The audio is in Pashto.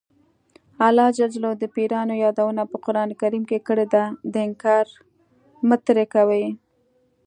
الله ج د پیریانو یادونه په قران کې کړې ده انکار مه ترې کوئ.